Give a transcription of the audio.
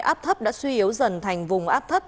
áp thấp đã suy yếu dần thành vùng áp thấp